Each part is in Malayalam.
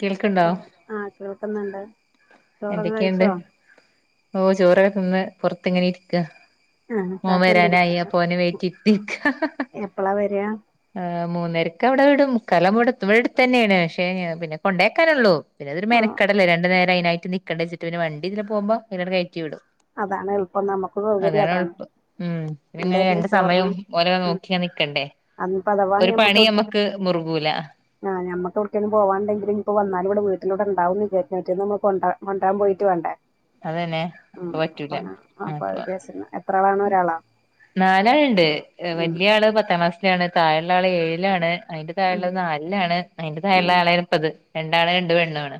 കേൾക്ക്ണ്ടോ ആഹ കേൾക്കുന്നുണ്ട് ചോറൊക്കെ എന്തൊക്കെയുണ്ട് കഴിച്ചോ ഓ ചോറൊക്കെ തിന്ന് പുൊറത്ത്ങ്ങനെ ഇരിക്ക ആഹ് ഓൻ വരാന അയ്യ കാറ്റൊണ്ടിരിക്കാണ് പോന വേറ്റിട്ടക്ക എപ്പളാ വരിക ആ് മൂന്നരക്ക് അവിടെ വിടും കലമട ഇവിടെടുത്ത് തന്നെയാണ് പക്ഷെ പിന്നെ കൊണ്ടേക്കാനുള്ളൂ പിന്നെത ഒരു ആഹ് മനക്കടല്ല രണ്ട നേരം അതിനായിട്ട നക്കണ്ടെച്ചി് പിന്ന വണ്ടിതിൽ പോക്പോൾ അട് കയറ്റി വിടും അതാണ് എളുപ്പം നമുക്ക് സൗകര്യം അതാണ് ഉളപ്പ ഉ പിന്ന ഇങ്ങനെ എന്തായിരുന്നു രണ്ട് ചോറിന് സമയവും ഓലോ ഉം നോക്കിയ ണ്ടേ അന്നിപ്പോ അഥവാ ഒരു പണി നമ്മക്ക് മുറുകൂല ആ് ഞമ്മ ക്ക പോവാണ്ടെങ്കില ഇപ്പൊ വന്നാല ഇടെ വീട്ടിലൂടെണ്ടാവന്ന് വിചാ പറ്റ ന കൊണ്ട കൊണ്ടാൻ പോയിട്ട് വണ്ടേ അതന്നെ അപ്പ അപ്പ പറ്റൂലപ്പ വിചാരിച്ചിരുന്നു എത്ര ആളാണ് ഒരാളോ നാലാളുണ്ട് ഉം വലിയ ആള് പത്താം ക്ലാസിലാണ് ത ള്ള ആള് ഏഴാണ് അതിറെ ഉം താഴുള്ള നാലാണ് അതിന്റെ ഉം താഴുള്ള ആളായിും പത് രണ്ടാാണ് രണ്ട് പെണ്ണണ്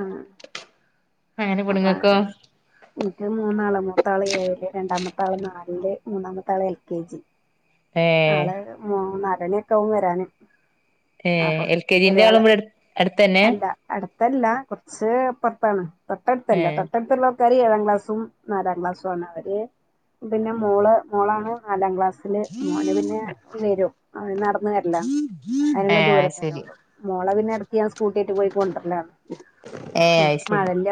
ആഹ അപ്പൊ പെണ്ണുങ്ങക്കോ ആ മട്ട മൂന്നാള് മൂത്താള് ഏഴില് രണ്ടാമത്തൊള് നാലില് മൂന്നാമത്തെ ആള് എൽ കെ ജി ഏ ആള് മൂന്നരണയൊക്കെ ആകും വരാനും ഏ അപ്പൊ എൽ കെ ജിന്റെ ചെറയാള് ആളും ഇവിടെ അടുത്തന്നെ അല്ല അടുത്തല്ല കുറ പ പറത്താണ് ഏ തൊട്ടടുത്തല്ല തൊട്ടടുത്തുള്ള ആൾക്കാര്ർ ഏഴാം ക്ലാസ് നാം ക്ലാ അവന്നെ നാം ക്ലാ മോന് പിന്നെ വരും അവന് നടന്നു വരല്ല ഏ അതിനുള്ള ദൂരെ അത് തന്നെ ശരി ഉള്ളൂ മോള പിന്നെ ഇടക്ക് ഞാൻ സ്കൂട്ടിട്ട് പോയി കൊണ്ടുവരുന്നതാണ് ഏ അത് ശരി മഴല്ല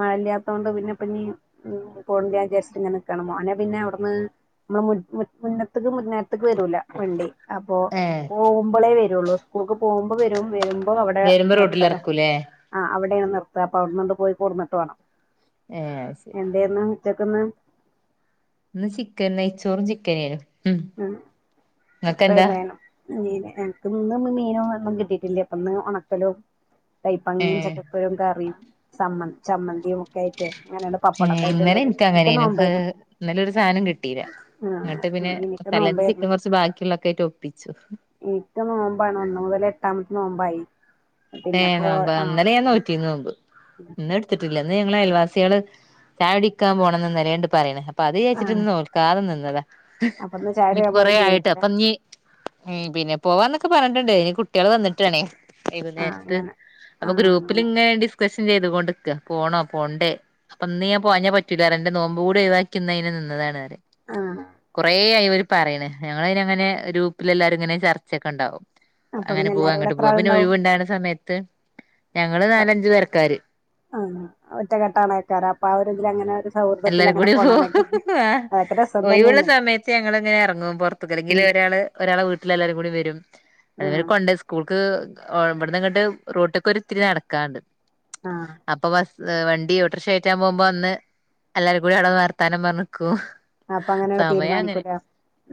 മഴല്ലാത്ത കൊണ്ട് പിന്നെ പിന്നെ പോണ്ടിയ ചച്ചങ്ങനെ നൽക്കണമോ അനെ പിന്നെ അവിടുന്ന് നമ്മൾ മുന്നത്തക്ക് മുന്നേരത്തേക്ക് വരൂല വണ്ടി അപ്പൊ ഏ പോകുമ്പോളേ വരുള്ളൂ സ്കൂക്ക് പോകുമ്പോ വര വരുമ്പോ അവിടെ വരുമ്പോ റോട്ടിൽ നിർത്തല ഇറക്കൂലേ ആ അടെ എ നിർത്ത അപ്പ അവിടന്ന കൊണ്ട് പോയി കൂർന്നട്ട് വേണം ആഹ ശരി എക്കെ മാ ഇന്ന് ചിക്കൻ നെയച്ചോറും ചിക്കനും ഉം വേുന്നേനം ീന എനക്ക് ഇന്നും മീനോ ഒന്നും കിട്ടിട്ടില്ലേ അപ്പൊന്ന് ഉണക്കലോ കൈപ്പങ്ങിയും ഏ ചക്കക്കരും കറിയുംമ്മന് ചമ്മന്തിയും ഒക്കെ ആയിട്ട് അങ്ങനെണ്ട് ഏ പപ്പടൊക്കെ ആയിട്ടുണ്ട് ഇന്നലെ എനിക്ക എനിക്ക് അങ്ങനെയനു നോമ്പായിരുന്നു ഇന്നല ഒരു സാധനം കിട്ടില്ല എന്നങ്ങിട്ട് ആഹ് പിന്നെ എനിക്ക് സ്ലത്ത് ചിക്കൻ നോമ്പായിരുന്നു കുറച്ച് ബാക്കിയുള്ളൊക്കെ ആയിട്ട് ഒപ്പിച്ചു എനിക്ക് നോമ്പാണ് ഒന്ന് മുതൽ എട്ടാമത്തെ നോമ്പായി ഏ പിന്നെപ്പോ നമ്പ് ആഹ് അന്നേെ ആഹ് ഞാൻോറ്റിന്ന് അമ്പ് ഇന്ന എടുത്തിട്ടില്ല അ ഞങ്ങള്ൾ അയൽവാസികള് ഇന്ന് ഞങ്ങള് അയൽവാസികൾ ചായകുടിക്കാൻ പോണംന്ന് നിലണ്ട് പറയേ അപ്പൊ അത് ആഹ് ചോദച്ചിട്ട്ന്ന് നോക്കാറ് നിന്നതാ അപ്പൊന്ന് ചായ ഇനിപ്പ കുടിക്കാൻ കൊറ പോലും ആയിട്ട് ചെയ്തിട്ടില്ല അപ്പൊ നീ പിന്നെ! പോവാന്നൊക്കെ പറഞ്ഞിട്ടുണ്ട് ഇനി കുട്ടികൾ വന്നിട്ടാാണ്േ ആഹ് അങ്ങനെ അ ആഹ് ഗ്രൂപ്പിൽ അങ്ങനെ ഇങ്ങനെ ഡിസ്കസ് ചെയ്തൊണ്ട് പോണോ പോണ്ടേ അപ്പൊ ഇന്ന് ഞാൻ പോഞ്ഞാ പറ്റൂില്ലറെ എന്റെ നോമ്പ് കൂടെ ഒഴിവാക്കുന്നതിെ നിന്നതാണ്രെ ആഹ് കുറെ ആായിവര് പറയണ് ഞങ്ങ ഇങ്ങനെ ഗ്രൂപ്പില എല്ലാരും ഇങ്ങനെ ചർച്ചൊക്കെ ഉണ്ടാവും അപ്പൊ അങ്ങനെ പിന്നെ പോവാ എല്ലാരും ഇവിടെ അങ്ങോട്ട് എത്ര പോവാ പിന്നെ ഒഴിവുണ്ടാണ് സമയത്ത് ഞങ്ങള് നാലഞ്ചു പേരക്കാര് ആ ഒറ്റകെട്ടാണ് വക്കാറ് അപ്പൊ അവരെതില അങ്ങനെ സൗഹൃദത്തിൽ എല്ലാരും അങ്ങനെ കൂടി പോ പോണാണേക്കാരം ആ അതൊക്കെ രസം ഒയിവുള്ള തന്നെയാണ് സമയത്ത് ഞങ്ങ എങ്ങനെ ഇറങ്ങ പുറത്തക്കല്ലെങ്ക ഉം ഒരാ ഒരാളെ വീട്ടില എല്ലാരരും കൂടി വരും അതുരെ ആഹ് കൊണ്ട് സ്കൂൾക്ക് ഇവിടന്ന് ഇങ്ങട്ട് റോട്ടൊക്കെ ഒത്തിരി നടക്കാണ്ട് ആഹ് അപ്പൊ വണ്ടി ഓട്ടോറിക്ഷ പോകുമ്പോ അന്ന് എല്ലാവരും കൂടി അവിടെ വർത്താനം പറഞ്ഞിക്കൂ അപ്പൊ അങ്ങനെയാണ് സമയം അങ്ങനെ തീരുമാനിക്കൂലേ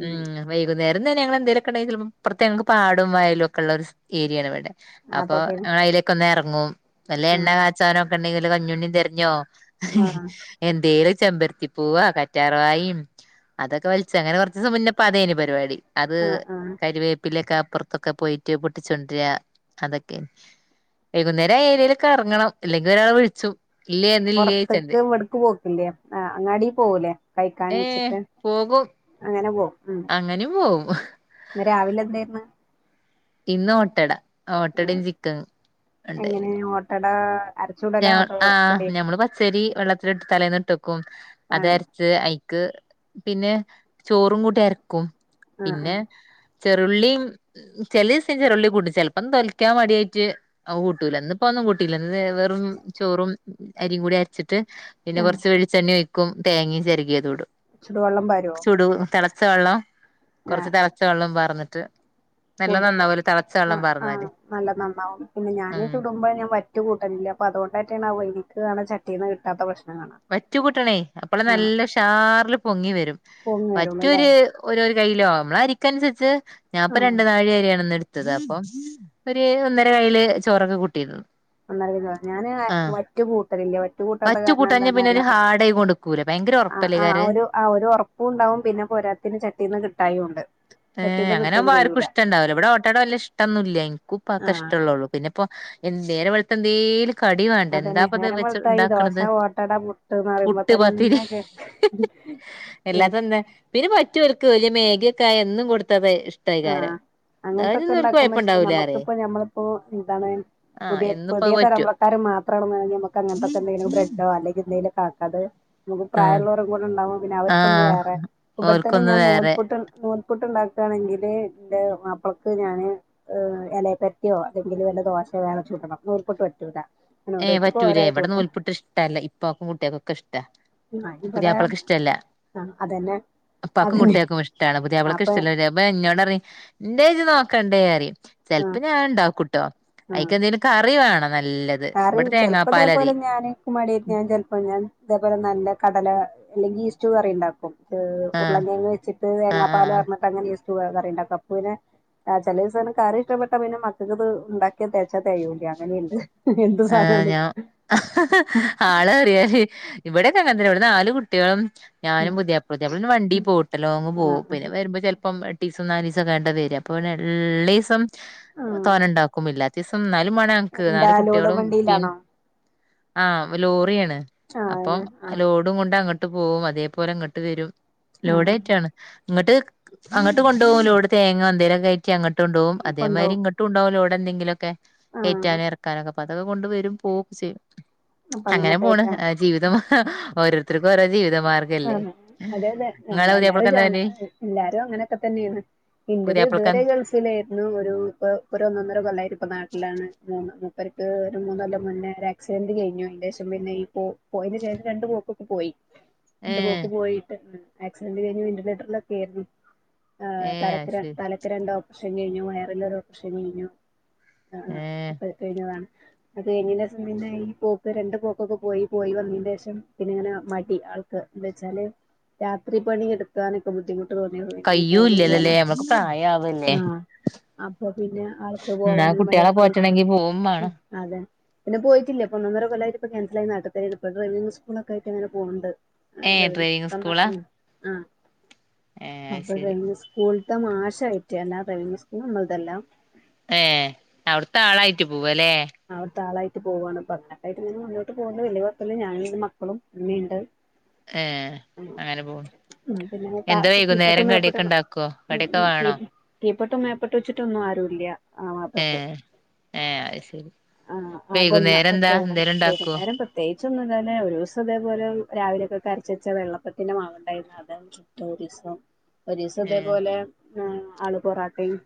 ഉം വൈകുന്ന നേരം തന്നെ ഞങ്ങ എന്തേലൊക്കെണ്ടങ്കില പ്രത്യേക പാട വയലും ഒക്കെള്ള ഒരു ഏരിയണിവിടെ അപ്പൊ ഞങ്ങ അതിലേക്ക ഒന്ന് ഇറങ്ങും നല്ല എണ്ണ ആഹ് കാച്ചാനോ ഒക്കെ ഉണ്ടെങ്കില് കഞ്ഞുണ്ണിയും തെരഞ്ഞോ ആഹ് എന്തേലും ചെമ്പരത്തി പോവാ കറ്റാർ വാഴ അതൊക്കെ വലിച്ചു അങ്ങനെ കുറച്ച് ദിവസം മുന്നപ്പ അതേനി പരിപാടി അത് ആഹ് ആഹ് കരിവേപ്പിലൊക്കെ പുറത്തൊക്കെ പോയിട്ട് പൊട്ടിച്ചുണ്ടര അതൊക്കെ വൈകുന്നേരം ആ ഏരിയയിലക്ക് ഇറങ്ങണം അല്ലെങ്കിൽ ഒരാളെ വിളിച്ചു ഇല്ല ഇല്ല ചന്തെ ആ അങ്ങാടി പോകൂലേ കൈക്കാന ഏ വച്ചിട്ട് പോകും അങ്ങനെ പോകും ഉ അങ്ങനെയും പോകും എന്ന രാവിലെ എന്തായിരുന്നു ഇന്ന് ഓട്ടട ഉം ഓട്ടടയും ചിക്കൻ ഉണ്ടായിരുന്നു ആ ആ് ഞമ്മള് പച്ചരി വെള്ളത്തിൽ ഇ് തലേന്ന് ഇട്ട വക്കും അത് ആണോ അരച്ച് പിന്നെ ചോറും കൂടി അരക്കും ആഹ് പിന്നെ ആഹ് ചെറുുള്ളിയും ചില ദിവസം ചെറുള്ളിയും കൂട്ടും ചിലപ്പം തൊലിക്കാൻ മടിയയിട്ട് കൂട്ടൂല ഇന്നിപ്പോ ന്നും കൂട്ട വെറും ചോറും അരിയും കൂടി അരച്ചിട്ട് പിന്നെ ആഹ് കുറച്ച് വെളിച്ചെണ്ണ ഉപ്പും തേങ്ങ ചിരകിയതിടും ചുടുവെള്ളം പരുമോ ച്ച വെള്ളം കുറച്ച് തിളച്ച വെള്ളം പറഞ്ഞിട്ട് കൂടുതല് ആ ആ് നല്ല നന്നാവും പിന്നെ ഞാനേ ഉം തുടുമ്പോ ഞാൻ കൂട്ടില്ല അൊ അതുകൊണ്ട തെയാണ് എനിക്ക് ചട്ടീന്ന് കിാ പ്രശ്നം കാണാ വറ്റ കൂട്ടണേ അപ്പോളെ ആഹ് നല്ല ഷാറില് പൊങ്ങി വരും പൊങ്ങി വരുള്ളൂല്ലേ പറ്റൊര് ര കല്ലോ നമ്മള അരിക്കനുസരിച്ച് ഞാൻപ്പൊ ആഹ് രണ്ട നാഴി അരിയാണ ത്തത് അപ്പം ഒരു ഒന്നര കയ്യില് ചോറൊക്കെ കൂട്ടിയിരുന്നു ഒന്നറി ഞാാന് ആഹ് മറ്റു കൂട്ടറില്ലേ ഒറ്റു കൂട്ടാത്ത വറ്റു കാരണം കൂട്ടാഞ്ഞ പിന്നെ ഒരു എന്താന്ന ഹാർഡായി കൊടുക്കൂല ഭയങ്കര ആ ആ ഉറപ്പല്ലേക്കാര് ഒരു ആ ഒരു ഉറപ്പും ഉണ്ടാവും പിന്നെ പോരത്തിന്ന് ചട്ടീന്ന് കിട്ടായുണ്ട് ഏ് അങ്ങെകുമോ ആർും ഇഷ്ടണ്ടാവല്ലോ ഇടെഓട്ടട വല്ല ഇഷ്ടൊന്ന ഇല്ല എനിക്ക ഇൊക്ക ആഹ് ഇഷ്ടുള്ളള്ളൂ പിന്നെ എ നേരെ വെളത്ത എന്തേലും കടി വേണ്ടേ അതന്നെ എന്താപ്പത് വെച്ച് നേരമ്പളത്താ ഈ ദോശ ഉണ്ടാക്കണത് ഓട്ടട മുട്ട്ന്ന് പറയുമ്പോ പുട്ട് തന്നെ കേെ ഉം എല്ലാത്തന്താ പിന്നെ പറ്റുർക്ക് വലിയ മേഗിയൊക്കെ ആ എന്നും കൊടുത്താതെ ഇഷ്ടമായികാലം ആഹ് അങ്ങനത്തൊക്കെ ഉണ്ടാക്കുമ്പോച്ച നമ്മക്കിപ്പോ ഞമ്മളിപ്പോ എന്താണ് ആഹ് പുതിയ ഇന്നിപ്പോ പുതിയ അത് പറ്റും തലമുറക്കാർ മാത്രം എത്ര നമക്ക് അങ്ങനത്തെക്കെ എന്തെിലും ബ്രെഡോ അല്ലെങ്ക എന്തെങ്കിലും കക്കാെ നമുക്ക് ആഹ് പ്രായമുള്ളവും കൂടെ ഉണ്ടാവകും പിന്നെ അവർക്കൊന്ന് ആഹ് വേറെ ഇവിടെത്തന്നെ ഓർക്കൊന്ന് ഞാൻ വേറെ നൂൽപുട്ട് പുട്ടുണ്ടാക്കാണെങ്കിൽ [unintelligible] ൻ്റെ മപ്പളക്ക് ഞാന് ഇലയെപെരട്ടിയോ അതെങ്കില് വല്ല ദോശോ വേറെചുടണം നൂ ഇപ്പ പറ്റൂല അങ്ങനെ ഏ് ഓരോരുത്തർക്കും ഓരോ പറ്റൂലേ ഇവടെ ചുടും. നൂൽപ്പുട്ട് ഇഷ്ട ല്ല ഇപ്പാക്കും കുട്ടികക്കെ ഇഷ്ടാ ഇമ്മാഞ് ഇബടെ പുതിയാപ്പളക്ക് ഇഷ്ടല്ല ആ അതന്നെ ഉപ്പാക്കും അതന്നെ കുട്ടികൾക്കും ഇഷ്ടാണ് പ്പതേ അവളക്ക് അപ്പൊ ഇഷ്ടല്ല ര പ്പ ന്നോട് റി എന്റെ ഇത് നോക്കണ്ടേറിയും ആഹ് ചെലപ്പ ഞാൻ ഇണ്ടാക്കുംട്ടോ അയിക്കെന്തേിലും കറി വേണം നല്ല കറിം ചെലപ്പോതേപോലെ ഞാന് ക്കു മടിക്കാണ് ചെലപ്പോ ഞാൻ തേപോലെ നല്ല കടല അല്ലെങ്കി ഇഷ് ടുക്കറി ഇണ്ടാക്കും എ് ആഹ് ഉരുളകിഴങ്ങ് വച്ചിട്ട് തേങ്ങാ ആഹ് പാല് ആഹ് പാർന്നിട്ടങ്ങനെ ഇസ് ടു കറിണ്ടാക്കും അപ്പുനെ ആ ചെലീസാണ് കറി ഇഷ്ടപ്പെട്ടാ പിന്നെ മക്കൾക്ക് ഇത് ഇണ്ടാക്കിയ തേച്ചാ തെകയൂല അങ്ങനീണ്ട് ആ ഞാ ആള് ഏറിയാല് ഇവിടെക്കെ അങ്ങനെ തന്നെ ഇവിടെ നാല് കുട്ട്യാളും ഞാനും പുതിയാപ്പളിം പുതിയാപ്പിള പിന്നെ വണ്ടി പോവുട്ട ലോങ്ങും പോവും ആഹ് പിന്നെ ആഹ് വരുമ്പോ ചെലപ്പം ര ണ്ടീസം നാലീസം കഴിഞ്ഞിട്ട വര അപ്പ പിന്നെള്ളിസം ആഹ് തോരൻ ഇണ്ടാക്കും ഇല്ലാത്തീസം ന ഒരു മണിയംക്ക് ആര് കുട്ട തൂടെവണ്ടിലാണോ ആഹ് ലോറിയാണ് അപ്പം ആഹ് ആഹ് ലോഡും കൊണ്ട് അങ്ങട്ട് പോവും അതേപോലെ ഇങ്ങട്ട് വരും ആഹ് ലോഡേറ്റാണ് ഇങ്ങട്ട് അങ്ങട്ട് കൊണ്ടോവും ലോഡ് തേങ്ങ എന്തേലൊക്കെയറ്റി അങ്ങോ ഇുണ്ടകും അതേമാതിരി കൊണ്ടോവും അതേമാരി കൊണ്ടോവും ഇങ്ങട്ടുംണ്ടാവും ലോഡെ ന്തെലൊക്കെ ആഹ് കേറ്റാനും ഇറക്കാനൊക്കെ പ്പതൊക്കെ കൊണ്ട് വരും പോവുക്കെ ചെയ്യും അപ്പൊ അങ്ങനെ പോണ് അങ്ങനൊക്കായിട്ടാ ജീവിതം ഓരോരു ആഹ് മെ അതെതെ നിങ്ങളെ നമ്മ എല്ലാരും പുതിയാപ്പളക്ക് എന്താ ജാങ പണി എല്ലാരും അങ്ങനൊക്കെ തന്നെണ് ഇല്ലത് പുതിയാപ്പളക്ക് ഇതുവരെ ഗൾഫിലായിരുന്നു ഒരു പ്പ ഒരു ഒന്നൊന്നര കൊല്ലായിട്ട് ഇപ്പൊ നാട്ടിലാണ് മന്ന് അവരക്ക് ഒരു മൂന്നൊല്ലം മുന്നേ ഒര ആക്സിഡന്റ് കഴിഞ്ഞു അയിൻ്റെഷം പിന്നെ ഈ പോ പോയേന് ശേഷം രണ്ടു പോക്ക്‌ പ്പോ പോയി ഏ രണ്ട്പോക്ക് പോയിട്ട് ഉം ആക്സിഡന്റ് കഴിഞ്ഞ് വെന്റിലേറ്ററിലൊക്കെ ആയിരുന്നു ആ ഏ തലക്ക് അത് ര ശരി തലക്ക് രണ്ടോ പ്പറേഷ ഷൻ കയിഞ്ഞു വയറില് ഒരോപ്പറേഷൻ കയിഞ്ഞു ആ ആ ഏ അപ്പ കയിഞ്ഞതാണ് അത് കയിഞ്ഞേൻ്റെ ശേഷം പിന്നെ ഈ പോക്ക് രണ്ട് പോക്കൊക്കെ പോയി പോയി വന്നിന്റെഷം പിന്നെങ്ങനെ അ മയി യി ആൾക്ക് ന്താച്ചാല് രാത്രി പണി എടുക്കാനൊക്കെ ബുദ്ധിമു കയ്യും ഇല്ലല്ലോലേ നമ്മളക്ക് പ്രായ ആവല്ലേ ആഹ് അപ്പൊ പിന്നെ ആൾക്ക് പോവാനൊരു മടി കുട്ടികളെ [unintelligible] പോറ്റണെങ്കി പോവും ഉം വേണം അതെ പിന്നെ പോയിട്ടില്ല ഇപ്പൊ ഒന്നൊന്നര കൊല്ലായിട്ട് പ്പോ ക്യാൻസലായി നാട്ടിതന്നെ ഇരുപ്പ് ഡ്രൈവിംഗ് സ്കൂളൊക്കെ ആയിട്ട് ഇങ്ങനെ പോണ്ട് ആ ഏ അതതന്നെ ഡ്രൈവിങ് സ്കൂളാ തമാശന്നെ ആഹ് ഏ അത് അപ്പ ശരി ഡ്രൈവിംഗ് സ്കൂളത്തെ മാഷായിട്ട് അല്ലാതെ ഡൈവിംഗ് സ്കൂള് നമ്മളതല്ല അഏ അവിടുത്തെ ആളായിട്ട് പോവും അവിടുത്തെ ആളായിട്ട് പോവാണ് അപ്പൊ അങ്ങനൊക്കായിട്ട് ങ്ങനെ മുന്നോട്ട് പോണ്ട് വല്ല്യ കൊഴപ്പല്ല്യ ഞാനും ൻ്റെ മക്കളും ഉമ്മേംണ്ട് ഏ അങ്ങനെ പോണ് ഉം പിന്നെങ്ങ് എന്താ താഴത്തും വൈകുന്നേരം കിപ്പട്ടും മേപ്പട്ടും കടിയൊക്കെ ഒന്ന് ഉണ്ടാക്കുവോ ഉം കടിയൊക്കെ ഉം വേണോ കിപ് കിപ് കീപ്പട്ടും മേപ്പട്ട് വച്ചിട്ടൊന്നും ആരൂല്ല എഹ് ഏഹ് അയ് ആ ആകൊന്ന ഒറ്റയാള എന്തേലും ഉണ്ടാക്കുവോ വൈകുന്നേരം പ്രത്യേയ് ച്ച് ഒന്നുലോലേ ഒരുസം ഇതേപോലെ രാവിലെക്കൊക്കെ അരച്ചെച്ച വെള്ളപ്പത്തിൻ്റെ മാവുണ്ടായിരുന്നു അതും [unintelligible] [unintelligible] ഒരിസം ഏ ഇതേപോലെ എ് ആള് പൊറാട്ടേയും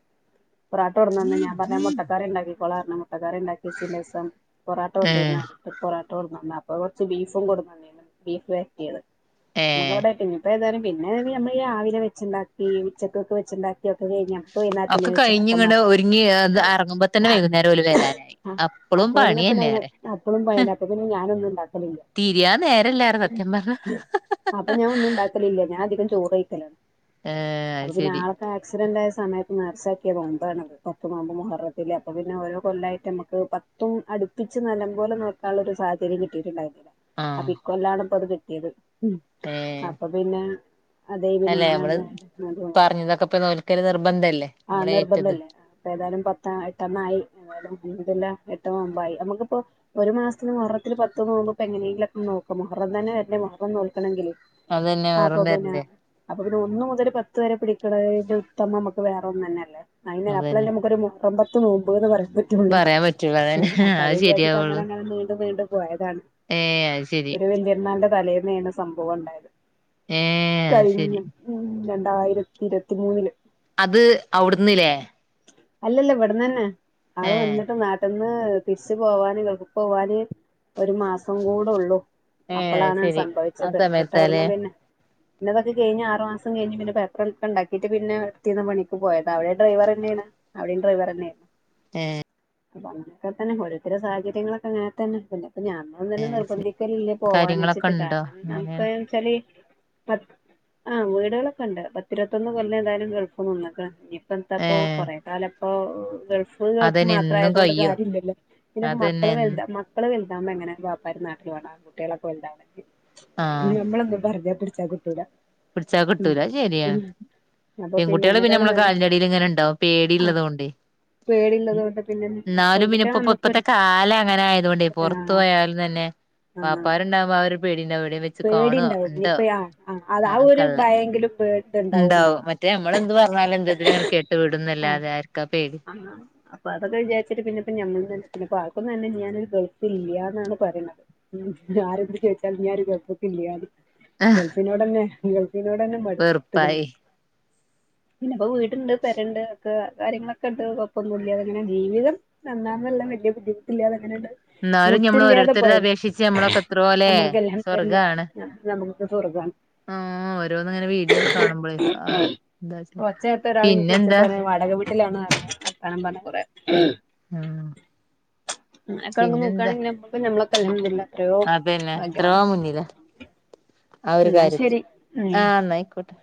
പൊറാട്ട കൊടന്നന്ന് ഞാൻ പറഞ്ഞ് ഞാൻ മുട്ടക്കറിണ്ടാക്കിക്കോളാറഞ്ഞ് മുട്ടക്കറി ഇണ്ടാക്കിസം സിലസം പൊറോട്ട ഏ കൊണ്ടരണപ്പ പോറാ ട്ട കൊടന്നന്ന് അപ്പൊ കൊറച്ച് ബീഫും കൊടന്നന്നേന്നു ബീഫ് വരട്ടിയത് ഏ മുഴോനായിട്ട് ഇഞിപ്പ ഏതായാലും പിന്നെ ഞമള് രാവിലെ വെച്ചുണ്ടാക്കി ഉച്ചക്കൊക്കെ വെച്ചുണ്ടാക്കി ഒക്കെ കയിഞ്ഞോ ഒക്കെ കഴിഞ്ഞ് ഇങ്ങട് ഒരുങ്ങി എന്താ എറങ്ങുമ്പ തന്നെ വൈകുന്നേരം ലും ലേ ആ അപ്പ ഇതിനെപ്പന്നയിനാ അപ്പഴും വൈന്നേരത്തിക്കൊന്നും ഞാനൊന്നും ഇണ്ടാക്കലില്ല തിരിയാ നേരല്ലാരും സത്യം പറഞ്ഞ അപ്പൊ ഞാൻ ഒന്നും ഉണ്ടാക്കലില്ല ഞാൻ അധികം ചോർ കൈക്കളാണ് ഏ അത് ശരി ആൾക്ക് ആക്‌സിഡന്റ് സമയത്ത് നാശച്ചാക്കിയ പോകുമ്പാണ് പത്ത് നോ മ്പ് മുഹ്രത്തിലെ അപ്പൾ പിന്നെ ഓരോ കൊല്ലായിട്ട് നമുക്ക് പത്തും അടുപ്പി നല്ലം പോലെ നോക്കാനുള്ള ഒരു സാഹര്യം കിട്ടിയിട്ടുണ്ടായിരുന്നു അപ്പൊ ആഹ് ഇക്കൊ കൊല്ലാണ് ഇപ്പൊ അത് കിട്ടിയത് ഏ അപ്പൊ പിന്നെ അതെ പിന്നെ അല്ലെ നമ്മള് എങ്ങനെയ പറഞ്ഞതൊക്കെ ഇപ്പൊ നോൽക്കല് നിർബന്ധല്ലേ ആഹ നമ്മള് നിർബന്ധം ഏറ്റത് അല്ലേ അപ്പൊ ഏതായാലും പത്ത എട്ടെണ്ണം ആയി ഏതായാലും അല്ല എട്ടോവുമമ്പായി നമുക്കിപ്പോ ഒരു മാസത്തിന് മറത്തിൽ പത്തോന്ന്ോവുമോപ്പോ എങ്ങനെങ്കിലുംക്ക നക്കോ ഒറം തന്നെ വ ആ നോക്കണമെങ്കിൽ അതെന്നെ വെറും വരണ്ടേ അ പിെ ഒന്ന മുതൽ പത്ത് വരെ പിടിക്കണതിന്റെ ഉത്തമ നമുക്ക് വേറെ ഒന്നും തന്നെ അല്ലേ അയിന അപ്പളല്ലെ അതന്നെ നമുക്ക് ഒരുറമ്പ മൻമ്പ്ന്ന് പറയ പ പറയാൻ പറ്റൂല അതന്നെ പഴയ അത് ഒരു രാജ്യത്ത് അങ്ങനെ ശരിയാവുള്ളു അങ്ങനെ വീണ്ടും വീണ്ടും അ ഏ അത് ശരി ഒരു വലിയന്നാന്റെ തലേന്ന്ാണ് സംഭവം ഉണ്ടായത് ഏ അത് ശരി കഴിഞ്ഞ രണ്ടായിരത്തി ഇരുപത്തി മൂന്നില് അത് അവിട്ന്നല്ലേ അല്ലല്ല ഇവിടന്ന് തന്നെ ആള് വന്നിട്ട് നാട്ട ന്ന് തിരിച്ച് പോവാന് ഗൾഫിക്ക് പോവാന് ഒരു മാസം കൂടെള്ളൂ ഏ അത് അപ്പളാണ് ശരി ആ സംഭവിച്ചത് ന്നിട്ട് സമയത്താലേ അവിടന്ന് പിന്നെ പിന്നതൊക്കെ കഴഞ്ഞ് ആറ് മാസം കഴിഞ് പിന്ന പേപ്പറ ഒക്കെണ്ടാക്കിട്ട് പിന്നെ റ്റിന്ന പണി പോയത് അവിടെ ഡ്രൈവർന്നെയാണ് അവിടെയും ഡ്രൈവർന്നെയാണ് ആ അപ്പൊ അങ്ങൊക്കെ തന്നെ ഒത്തര സാഹചര്യങ്ങളൊക്കെ നങ്ങനത്തെന്നെ അപ്പൊ ഞാനന്നെ നിർബന്ധിക്കല്ലല്ലേ പോവൻ കാര്യങ്ങളൊക്കെ വെച്ചിട്ട് ഉണ്ടോ കാരണം നമു അങ്ങനെ വെച്ചാ പ ആ വീടുകളൊക്കെ ഉണ്ട് പത്തിരുപത്തൊന്ന് കൊല്ല ഏതായാലും ഗൾഫംന്നൊക്കെ ഇത്തെപ്പോ ഏഹ് കൊറ കാലപ്പോ പ്പം അതന്നെ മാത്രം എന്നും ആതത് കൊണ്ട് കയ്യോ കാര്യല്ലല്ലോ പിന്നെ അതന്നെ മക്കള് എന്നും മക്കള് ്പോ എങ്ങനെ വാപ്പാർ നാട്ടിൽ വേണം കുട്ടികളൊക്കെ ഉല്ലാണെങ്കിൽ ആഹ് നമ്മളെ പറ ച്ച കിട്ടൂല പിടിച്ചാ ഉം കിട്ടൂല ശരിയ ഉം അപ്പൊ പെൺകുട്ടികളെ പിന്നെ അയിനെക്കാളും നമ്മളെ നല്ലത് കാലിന്റെടിയിൽ ഇങ്ങനെ ഉണ്ടാവും പേടി ആഹ് ഉള്ളത കൊണ്ട് പേടിള്ളത് കൊണ്ട് പിന്നെ എന്നാലും പെൺകുട്ടികളെ പിനിപ്പോ നമ്മക്ക് ഇപ്പത്തെ ഒരു കാലം അങ്ങനെ ആയത കൊണ്ട് പുറത്തു ആഹ് പോയാലും തന്നെ ആഹ് വാപ്പാർണ്ടാവ്പോ അവര് പേടീന്റെ എവിടെയും വെച്ച് കാണു ഉണ്ട് ഭയങ്കര പേ ഉണ്ടാവും മറ്റേ നമ്മളെന്ത് പറഞ്ഞാലും എന്തെതിലും അങ്ങനെ കേട്ടു ആഹ് വിടുന്നല്ലാതെ ആർക്കാ പേടി ആഹ് അപ്പൊ അതൊക്കെ വിചാരിച്ചട്ട് പിന്നപ്പ മ്മളും പിന്നെപ്പ ആർക്കൊന്ന തന്നെ ഞാനൊ ഒരു ഗൾഫ ഇല്ലന്നാണ് പറയത് ആരെന്തെന്ന് ചോച്ചാൽ ഞാനൊ ഒരു ഗൾഫ ഗൾഫിനോട്ന്നെ ഗൾഫിനോട്ന്നെ മടുതുക്കണ വെറുപ്പായി [unintelligible] പിന്നെ ഇപ്പൊ വീടുണ്ട് പെരണ്ട് ഒെ കാര്യങ്ങളൊക്കെ ഉണ്ട് കൊഴപ്പം ഒന്നുല്ല ങ്ങനെ ജീവിതം നന്നാണല്ലാം വ ബുദ്ധിമുട്ടല്ലാതെ അങ്ങനെയണ്ട് എന്നാലും ഞമ്മൾ മുട്ടില്ലാതെ ഓരോരുത്തരത് പോയത് അപേക്ഷിച്ച് ഞമ്മളൊക്കെ എത്രോ ല്ലേ നമ്മക്കെല്ലാം എല്ലാ നമുക്ക് ത് സ്വർഗം ആണ് ആഹ ഓരോന്ന് ഇങ്ങനെ വീഡിയോ ഒക്കെ കാണുമ്പോളേ എന്താ ഒച്ചേർത്ത ഒരാൾ എനിക്ക് പിന്നെ വിളിച്ചപ്പോ എന്താ പറഞ്ഞു വാടക വർത്താനം പറഞ്ഞ കുറേ ആഹ് അക്ക നോക്കയാണെങ്കിൽ അ നമ്മളൊക്കെ അല്ലല്ല ആ പിന്നെത്ര മുന്നില ആ ഒരു എന്നാ കാര്യത്തിൽ ശരി ഉം ആഹ്ന്ന ആയിക്കോട്ടെ